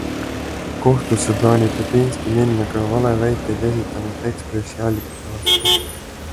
Kohtusse plaanib Repinski minna ka valeväiteid esitanud Ekspressi allikate vastu.